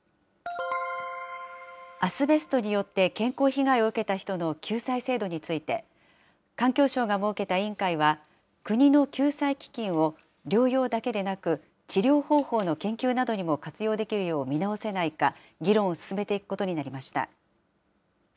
アスベストによって健康被害を受けた人の救済制度について、環境省が設けた委員会は、国の救済基金を療養だけでなく、治療方法の研究などにも活用できるよう見直せないか、議論を進めていくことになりました。